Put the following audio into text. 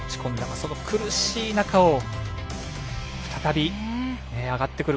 その苦しい中を再び上がってくる。